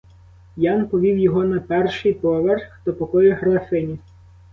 Ян повів його на перший поверх до покою графині.